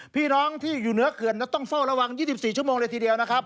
พี่น้องที่อยู่เหนือเขื่อนต้องเฝ้าระวัง๒๔ชั่วโมงเลยทีเดียวนะครับ